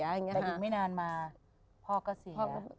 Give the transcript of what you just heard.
แต่อยู่ไม่นานมาพ่อก็เสีย